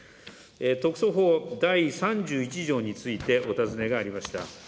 特措法第３１条についてお尋ねがありました。